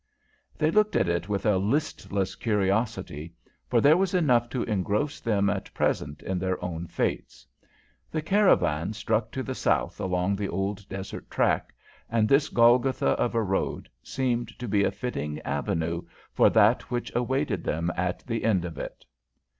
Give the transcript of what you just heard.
They looked at it with a listless curiosity, for there was enough to engross them at present in their own fates. The caravan struck to the south along the old desert track, and this Golgotha of a road seemed to be a fitting avenue for that which awaited them at the end of it.